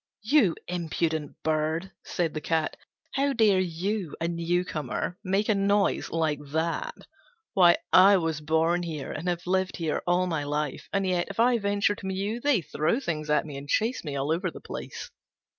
"You impudent bird," said the Cat, "how dare you, a newcomer, make a noise like that? Why, I was born here, and have lived here all my life, and yet, if I venture to mew, they throw things at me and chase me all over the place."